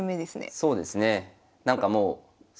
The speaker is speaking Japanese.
そうですね。